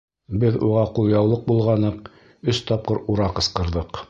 Беҙ уға ҡулъяулыҡ болғаныҡ, өс тапҡыр «ура» ҡысҡырҙыҡ.